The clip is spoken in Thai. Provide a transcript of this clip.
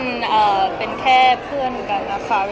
ก็เป็นแค่เพื่อนกันครับค่ะ